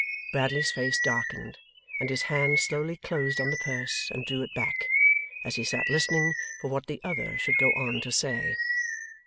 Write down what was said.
Bradley's face darkened, and his hand slowly closed on the purse and drew it back, as he sat listening for what the other should go on to say.